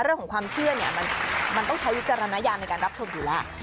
เรื่องของความเชื่อเนี่ยมันต้องใช้วิจารณญาณในการรับชมอยู่แล้ว